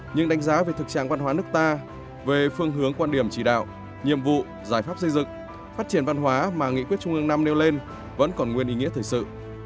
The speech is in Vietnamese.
nhưng đánh giá về thực trạng văn hóa nước ta về phương hướng quan điểm chỉ đạo nhiệm vụ giải pháp xây dựng phát triển văn hóa mà nghị quyết trung ương năm nêu lên vẫn còn nguyên ý nghĩa thời sự